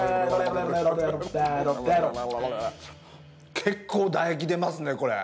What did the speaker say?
結構唾液出ますねこれ。